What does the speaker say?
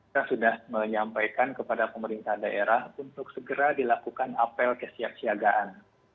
kita sudah menyampaikan kepada pemerintah daerah untuk segera dilakukan apel kesiapsiagaan